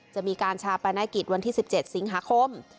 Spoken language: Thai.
จะมีการชาปนกิจวันที่๑๗สิงหาคม